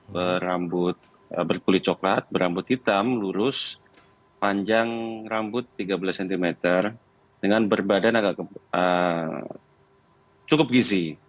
berkulit coklat berambut hitam lurus panjang rambut tiga belas cm dengan berbadan cukup gizi